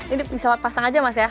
ini bisa pasang aja ya mas ya